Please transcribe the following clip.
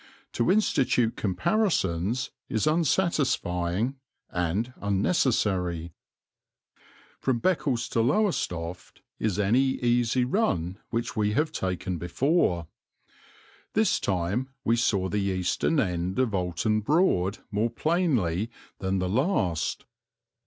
To institute comparisons is unsatisfying and unnecessary. From Beccles to Lowestoft is any easy run which we have taken before. This time we saw the eastern end of Oulton Broad more plainly than the last.